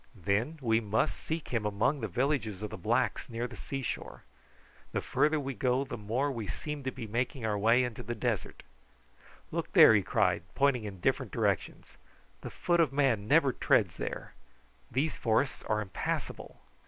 "Then we must seek him among the villages of the blacks near the sea shore. The farther we go the more we seem to be making our way into the desert. Look there!" he cried, pointing in different directions; "the foot of man never treads there. These forests are impassable."